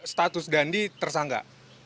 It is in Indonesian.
status dandi tersangka